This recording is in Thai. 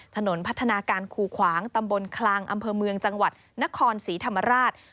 ถนนพัฒนาการคูขวางตำบลคลังอำเภอเมืองจังหวัดนครศรีธรรมราช